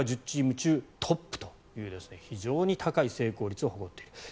１０チーム中トップという非常に高い成功率を誇っている。